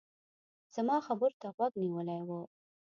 زما خبرو ته غوږ نيولی و.